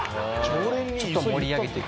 ちょっと盛り上げていく。